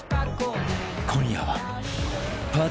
［今夜は］